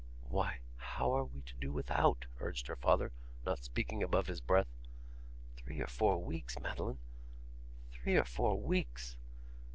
'Why, how are we to do without?' urged her father, not speaking above his breath. 'Three or four weeks, Madeline! Three or four weeks!